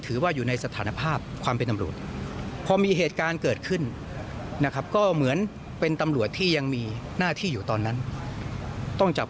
แต่ละคนทำหน้าที่ที่อะไรทุกคนทำหน้าที่สมบูรณ์ไหม